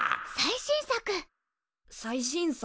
最新作。